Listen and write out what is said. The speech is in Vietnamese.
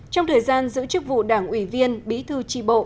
trong thời gian giữ chức vụ đảng ủy viên bí thư tri bộ